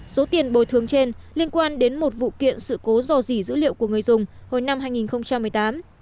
số tiền bồi thương trên liên quan đến một vụ kiện sự cố dò dỉ dữ liệu của người dùng hồi năm hai nghìn một mươi tám